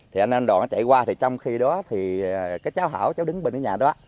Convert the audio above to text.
thì anh nam đoàn chạy qua trong khi đó thì cái cháu hảo cháu đứng bên nhà đó